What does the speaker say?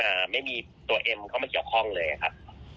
ไม่มีตัวเอ็มเข้ามาเกี่ยวข้องเลยครับ